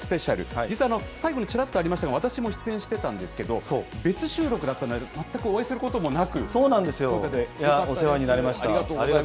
スペシャル、実は最後にちらっとありましたが、私も出演してたんですけど、別収録だったので、全くお会いすることもなく。